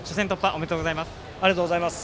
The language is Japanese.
ありがとうございます。